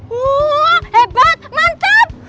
wah hebat mantap